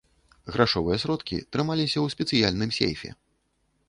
Грашовыя сродкі трымаліся ў спецыяльным сейфе.